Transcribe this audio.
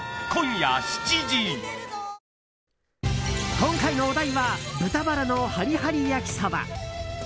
今回のお題は豚バラのハリハリ焼きそば。